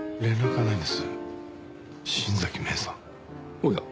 おや。